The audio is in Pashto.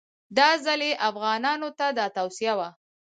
دا ځل یې افغانانو ته دا توصیه وه.